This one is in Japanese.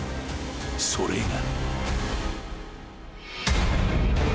［それが］